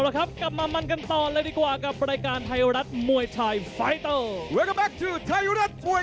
แล้วครับกลับมามันกันต่อเลยดีกว่ากับรายการไทยรัฐมวยไทยไฟเตอร์